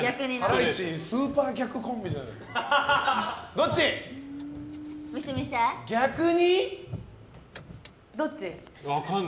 ハライチスーパー逆コンビじゃん。